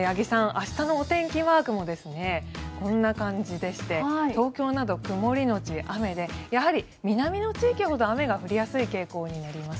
明日のお天気マークもこんな感じでして東京など、曇りのち雨でやはり南の地域ほど雨が降りやすい傾向になります。